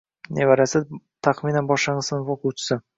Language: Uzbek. Nevarasi taxminan boshlangʻich sinf oʻquvchisi